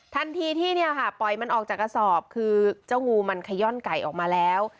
ทันทีที่เนี่ยค่ะปล่อยมันออกจากกระสอบคือเจ้างูมันขย่อนไก่ออกมาแล้ว